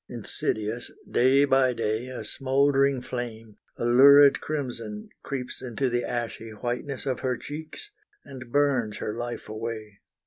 Insidious, day by day A smouldering flame, a lurid crimson creeps Into the ashy whiteness of her cheeks, And burns her life away.